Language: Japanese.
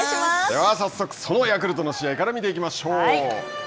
では早速そのヤクルトの試合から見ていきましょう。